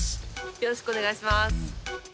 よろしくお願いします。